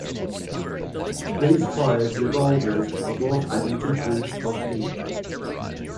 Police fired revolvers above and into groups of people.